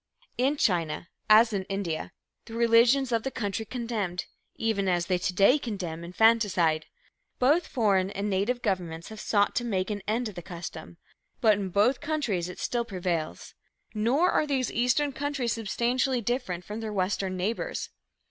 In China, as in India, the religions of the country condemned, even as they to day condemn, infanticide. Both foreign and native governments have sought to make an end of the custom. But in both countries it still prevails. Nor are these Eastern countries substantially different from their Western neighbors.